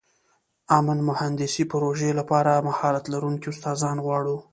امن مهندسي پروژې لپاره مهارت لرونکي استادان غواړو.